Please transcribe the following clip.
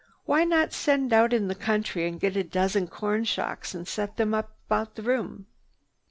Why not send out in the country and get a dozen corn shocks and set them up about the room?"